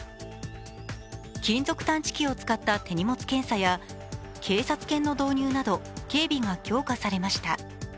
金属探知機を使った手荷物検査や警察犬の導入など警備が強化されました。